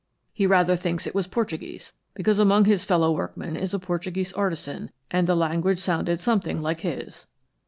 He rather thinks it was Portuguese, because among his fellow workmen is a Portuguese artisan, and the language sounded something like his."